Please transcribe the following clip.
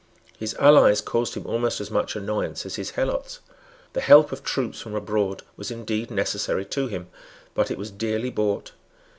His allies caused him almost as much annoyance as his helots. The help of troops from abroad was indeed necessary to him; but it was dearly bought.